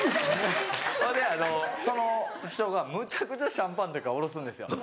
それでその人がむちゃくちゃシャンパンとか下ろすんですよ。